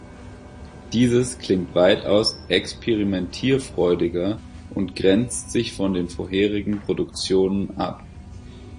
Dieses klingt weitaus experimentierfreudiger und grenzt sich von den vorherigen Produktionen ab.